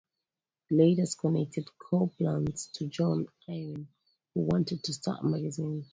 Leider connected Coplans to John Irwin, who wanted to start a magazine.